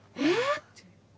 って。